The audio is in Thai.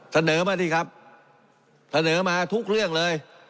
เสนอมาสิครับเสนอมาทุกเรื่องเลย